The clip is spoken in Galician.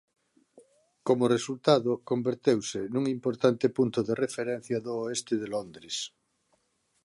Como resultado converteuse nun importante punto de referencia do oeste de Londres.